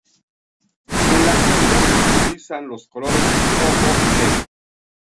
En la actualidad se utilizan los colores rojo y negro.